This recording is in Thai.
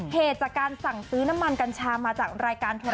เหตุจากการสั่งซื้อน้ำมันกัญชามาจากรายการเธอ